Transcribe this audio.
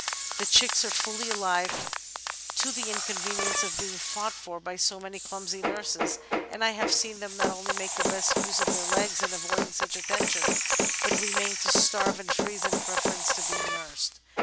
The chicks are fully alive to the inconvenience of being fought for by so many clumsy nurses, and I have seen them not only make the best use of their legs in avoiding such attentions, but remain to starve and freeze in preference to being nursed.